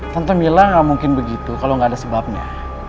tante mila gak mungkin begitu kalau nggak ada sebabnya